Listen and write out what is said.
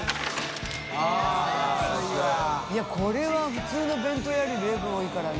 いやこれは普通の弁当屋より量が多いからね。